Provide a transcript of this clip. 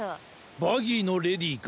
バギーのレディーか。